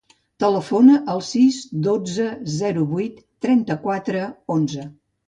Telefona al sis, dotze, zero, vuit, trenta-quatre, onze.